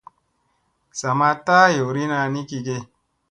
Sa ma taa yoorina ni gige.